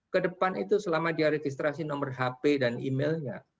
kedepan itu selama dia registrasi nomor hp dan emailnya